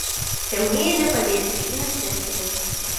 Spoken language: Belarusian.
Цямнее на паветры і на святле.